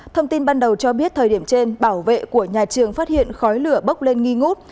thông tin ban đầu cho biết thời điểm trên bảo vệ của nhà trường phát hiện khói lửa bốc lên nghi ngút